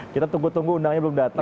kita tunggu tunggu undangnya belum datang